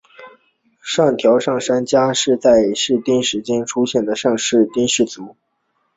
上条上杉家是在室町时代出现的上杉氏支族。